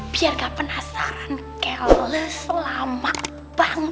biar gak penasaran keles lama bang